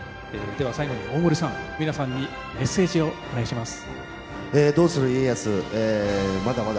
では最後に大森さん皆さんにメッセージをお願いします。